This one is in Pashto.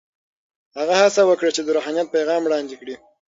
هغه هڅه وکړه چې د روحانیت پیغام وړاندې کړي.